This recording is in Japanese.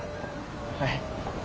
はい。